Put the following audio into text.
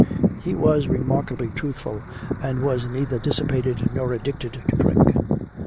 He was remarkably truthful, and was neither dissipated nor addicted to drink.